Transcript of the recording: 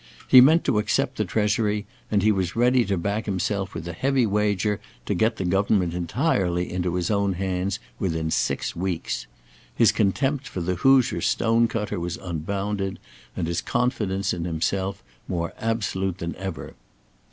He meant to accept the Treasury and he was ready to back himself with a heavy wager to get the government entirely into his own hands within six weeks. His contempt for the Hoosier Stone cutter was unbounded, and his confidence in himself more absolute than ever.